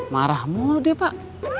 marah mulu dia pak